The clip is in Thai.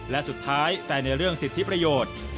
และสุดท้ายแต่ในเรื่องสิทธิประโยชน์